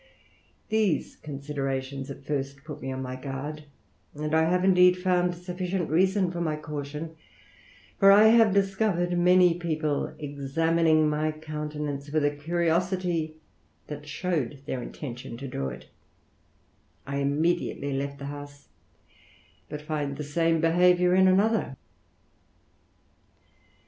These considera tions at first pot me on my guard, and I have, indeed, found (Officietit reason for ray caution, for I have discovered many people eiiamining my countenance, with a curiosity that ihowed their intention to draw it ; I immediately left the house, but find the same behaviour in another.